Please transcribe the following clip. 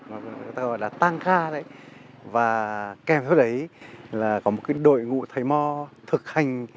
nó đã tăng ca đấy và kèm với đấy là có một đội ngũ thầy mò thực hành